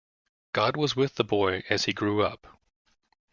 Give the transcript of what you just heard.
God was with the boy as he grew up.